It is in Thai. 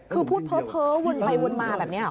คือพูดเพ้อวนไปวนมาแบบนี้ห